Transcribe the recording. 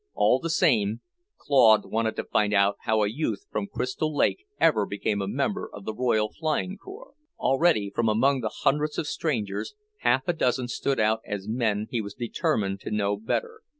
All the same, Claude wanted to find out how a youth from Crystal Lake ever became a member of the Royal Flying Corps. Already, from among the hundreds of strangers, half a dozen stood out as men he was determined to know better.